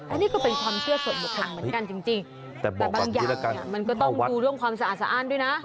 อันนี้ก็เป็นความเชื่อส่วนบุคคลเหมือนกันจริงแต่บางอย่างเนี่ยมันก็ต้องดูเรื่องความสะอาดสะอ้านด้วยนะ